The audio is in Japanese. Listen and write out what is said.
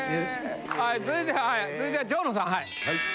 はい続いてはい続いては蝶野さんはい。